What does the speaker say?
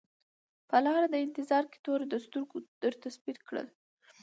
ما په لار د انتظار کي تور د سترګو درته سپین کړل